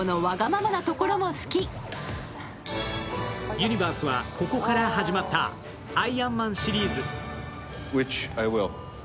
ユニバースはここから始まった、「アイアンマン」シリーズ。